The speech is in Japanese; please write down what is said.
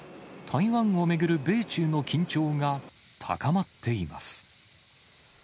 台湾を巡る米中の緊張が高まっています。